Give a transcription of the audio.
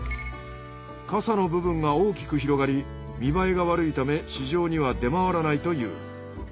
かさの部分が大きく広がり見栄えが悪いため市場には出回らないという。